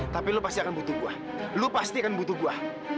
tapi lu pasti akan butuh gue lu pasti akan butuh gue